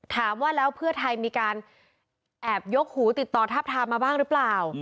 ถามว่าแล้วเพื่อไทยมีการแอบยกหูติดต่อทับทามมาบ้างหรือเปล่า